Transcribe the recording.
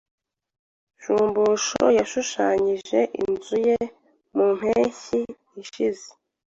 Shumbusho yashushanyije inzu ye mu mpeshyi ishize.